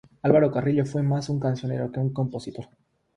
Álvaro Carrillo fue más un cancionero que un compositor.